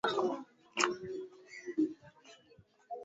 Vifaa vya kupikia viazi lishe Sufuria kikaango mfuniko wa sufuria